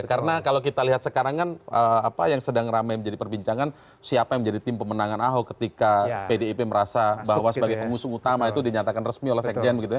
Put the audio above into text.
karena kalau kita lihat sekarang kan apa yang sedang ramai menjadi perbincangan siapa yang menjadi tim pemenangan ahok ketika pdip merasa bahwa sebagai pengusung utama itu dinyatakan resmi oleh sekjen